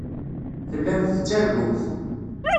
Tellamt tettargumt.